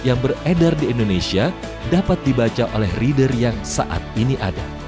yang beredar di indonesia dapat dibaca oleh reader yang saat ini ada